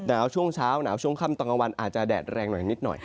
ช่วงเช้าหนาวช่วงค่ำตอนกลางวันอาจจะแดดแรงหน่อยนิดหน่อย